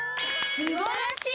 すばらしい！